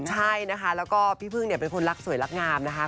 ใช่นะคะแล้วก็พี่พึ่งเนี่ยเป็นคนรักสวยรักงามนะคะ